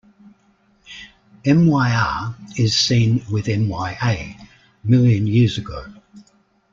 Myr is seen with "mya", "million years ago".